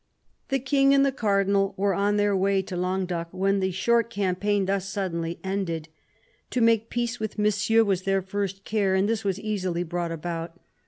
The King and the Cardinal were on their way to Languedoc when the short campaign thus suddenly ended. To make peace with Monsieur was their first care, and this was easily brought about.